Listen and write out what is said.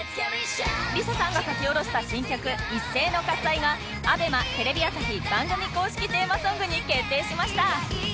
ＬｉＳＡ さんが書き下ろした新曲『一斉ノ喝采』が ＡＢＥＭＡ テレビ朝日番組公式テーマソングに決定しました